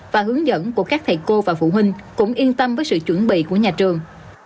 và hướng dẫn của các thầy cô và phụ huynh cũng yên tâm với sự chuẩn bị của nhà trường